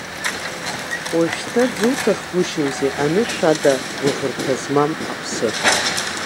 Уажәшьҭа дзуҭахгәышьоузеи, анышә ада гәыӷырҭа змам аԥсы!